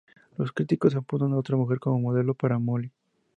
Los críticos apuntan a otra mujer como modelo para Molly.